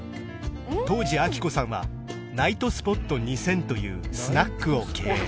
当時アキコさんはナイトスポット２０００というスナックを経営